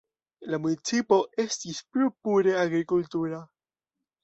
La municipo estis plu pure agrikultura.